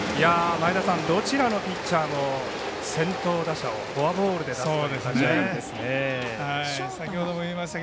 前田さん、どちらのピッチャーも先頭打者をフォアボールで出しましたね。